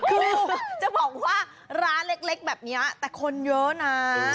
คือจะบอกว่าร้านเล็กแบบนี้แต่คนเยอะนะ